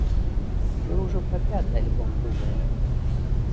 Мы ўжо пра пяты альбом думаем.